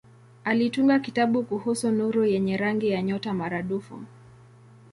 Alitunga kitabu kuhusu nuru yenye rangi ya nyota maradufu.